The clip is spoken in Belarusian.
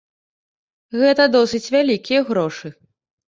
Гэта досыць вялікія грошы.